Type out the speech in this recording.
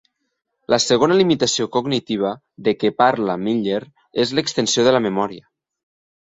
La segona limitació cognitiva de què parla Miller és l'extensió de la memòria.